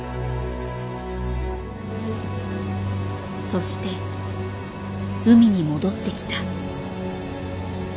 そして海に戻ってきた。